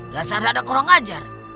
biasa ada yang kurang ajar